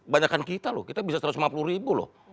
banyakan kita loh kita bisa satu ratus lima puluh ribu loh